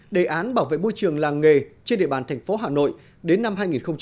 đề án bảo vệ môi trường làng nghề trên địa bàn thành phố hà nội đến năm hai nghìn hai mươi